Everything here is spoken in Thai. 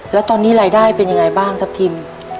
แล้วตอนนี้รายได้เป็นยังไงบ้างทัพทิม